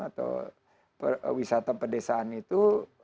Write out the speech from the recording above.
atau wisata pedesaan itu